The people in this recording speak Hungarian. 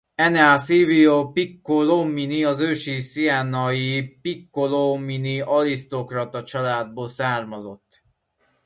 Enea Silvio Piccolomini az ősi sienai Piccolomini arisztokrata családból származott.